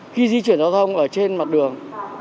khi di chuyển giao thông ở trên mặt đường